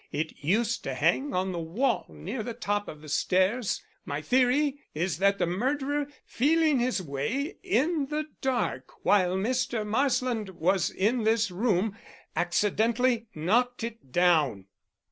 It used to hang on the wall near the top of the stairs. My theory is that the murderer, feeling his way in the dark while Mr. Marsland was in this room, accidentally knocked it down."